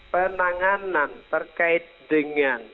penanganan terkait dengan